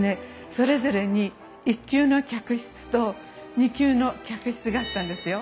それぞれに１級の客室と２級の客室があったんですよ。